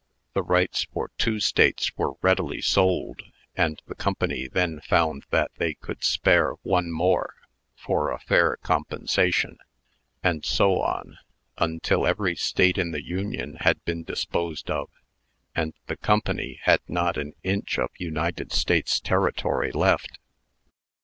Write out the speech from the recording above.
The rights for two States were readily sold, and the Company then found that they could spare one more for a fair compensation; and so on, until every State in the Union had been disposed of, and the Company had not an inch of United States territory left.